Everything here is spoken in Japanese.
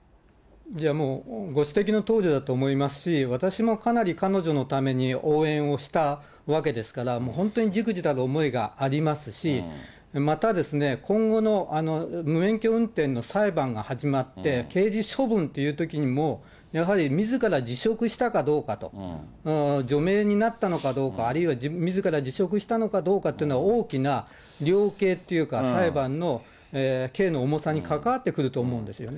もうご指摘のとおりだと思いますし、私もかなり、彼女のために応援をしたわけですから、本当にじくじたる思いがありますし、またですね、今後の無免許運転の裁判が始まって、刑事処分というときにも、やはりみずから辞職したかどうかと、除名になったのかどうか、あるいは、みずから辞職したのかどうかっていうのは大きな量刑っていうか、裁判の刑の重さに関わってくると思うんですよね。